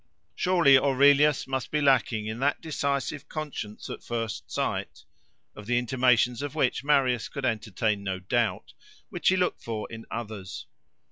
Surely Aurelius must be lacking in that decisive conscience at first sight, of the intimations of which Marius could entertain no doubt—which he looked for in others.